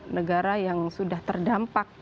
negara yang sudah terdampak